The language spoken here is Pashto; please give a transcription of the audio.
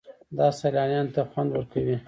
دا سیلانیانو ته خوند ورکوي.